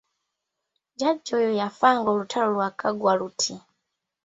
Jjajjange oyo yafa ng'olutalo lwakaggwa luti.